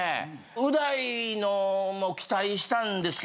う大のも期待したんですけどね。